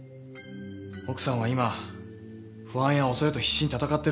奥さんは今不安や恐れと必死に闘ってるんです。